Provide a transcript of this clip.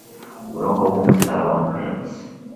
uburoko nk'umusaraba mpetse